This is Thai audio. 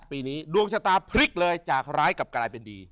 ปีนี้ดวงชะตาพลิกเลยจากร้ายกลับกลายเป็นดี